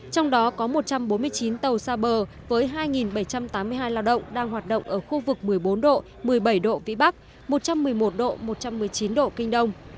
trong đó có một trăm bốn mươi chín tàu xa bờ với hai bảy trăm tám mươi hai lao động đang hoạt động ở khu vực một mươi bốn độ một mươi bảy độ vĩ bắc một trăm một mươi một độ một trăm một mươi chín độ kinh đông